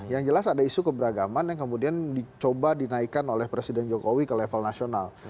yang jelas ada isu keberagaman yang kemudian dicoba dinaikkan oleh presiden jokowi ke level nasional